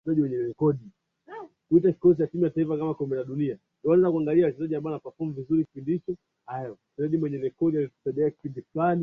Inasemekana pia kwamba hawa siyo Wabantu